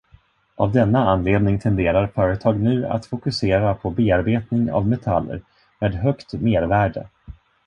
Av denna anledning tenderar företag nu att fokusera på bearbetning av metaller med högt mervärde.